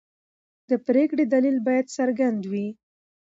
د پرېکړې دلیل باید څرګند وي.